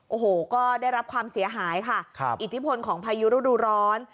โอ้โหก็ได้รับความเสียหายค่ะอิทธิพลของพายุฤดูร้อน